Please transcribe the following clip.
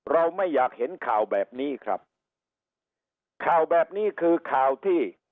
เราไม่อยากเห็นข่าวแบบนี้ครับข่าวแบบนี้คือข่าวที่